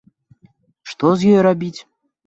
Што з ёй рабіць?